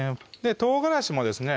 唐辛子もですね